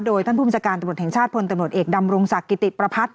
โดยท่านผู้บัญชาการตำรวจแห่งชาติพลตำรวจเอกดำรงศักดิ์กิติประพัทธ